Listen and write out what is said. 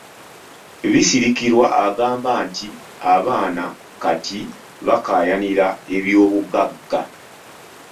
Bisirikirwa agamba nti abaana kati abakaayanira ebyobugagga.